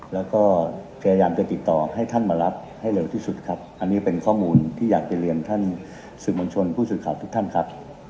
แล้วก็พยายามจะติดต่อให้ท่านมารับให้เร็วที่สุดครับอันนี้เป็นข้อมูลที่อยากจะเรียนท่านสื่อมวลชนผู้สื่อข่าวทุกท่านครับ